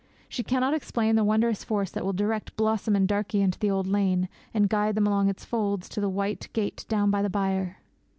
She cannot explain the wondrous force that will direct Blossom and Darkie into the old lane, and guide them along its folds to the white gate down by the byre.